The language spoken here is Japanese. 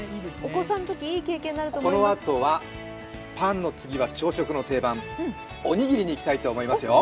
このあとはパンの次は朝食の定番、おにぎりにいきたいと思いますよ。